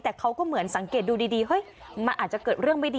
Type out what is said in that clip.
แต่เขาก็เหมือนสังเกตดูดีเฮ้ยมันอาจจะเกิดเรื่องไม่ดี